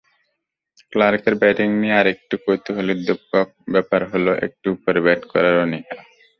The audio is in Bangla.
ক্লার্কের ব্যাটিং নিয়ে আরেকটি কৌতূহলোদ্দীপক ব্যাপার হলো, একটু ওপরে ব্যাট করার অনীহা।